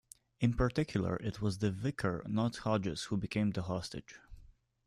In particular, it was The Vicar, not Hodges, who became the hostage.